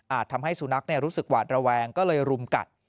ทำให้สุนัขรู้สึกหวาดระแวงก็เลยรุมกัด